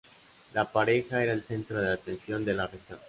La pareja era el centro de atención de la región.